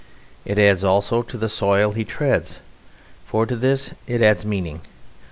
It adds also to the soil he treads, for to this it adds meaning.